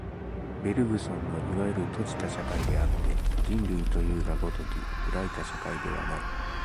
ベルグソンのいわゆる閉じた社会であって、人類というが如き開いた社会ではない。